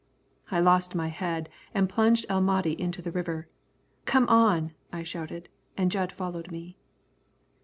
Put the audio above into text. I lost my head and plunged El Mahdi into the river. "Come on," I shouted, and Jud followed me.